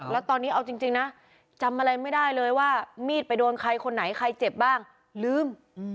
แล้วตอนนี้เอาจริงนะจำอะไรไม่ได้เลยว่ามีดไปโดนใครคนไหนใครเจ็บบ้างลืม